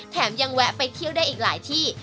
แถมยังแวะไปเที่ยวได้อีกหลายที่